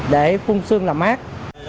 để phun xương làm mát